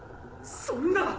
そんな。